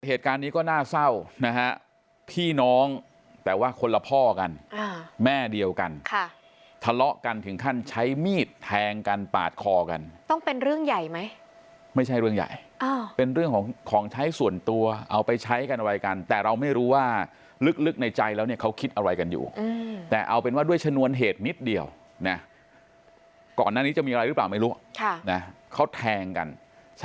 เหตุการณ์นี้ก็น่าเศร้านะฮะพี่น้องแต่ว่าคนละพ่อกันแม่เดียวกันค่ะทะเลาะกันถึงขั้นใช้มีดแทงกันปาดคอกันต้องเป็นเรื่องใหญ่ไหมไม่ใช่เรื่องใหญ่เป็นเรื่องของของใช้ส่วนตัวเอาไปใช้กันอะไรกันแต่เราไม่รู้ว่าลึกในใจแล้วเนี่ยเขาคิดอะไรกันอยู่แต่เอาเป็นว่าด้วยชนวนเหตุนิดเดียวนะก่อนหน้านี้จะมีอะไรหรือเปล่าไม่รู้เขาแทงกัน